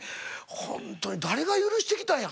ホントに誰が許してきたんや。